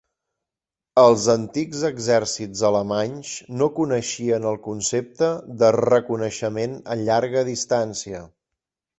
Els antics exèrcits alemanys no coneixien el concepte de reconeixement a llarga distància.